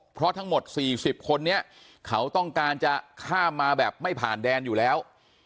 เพราะทั้งหมด๔๐คนนี้เขาต้องการจะข้ามมาแบบไม่ผ่านแดนอยู่แล้ว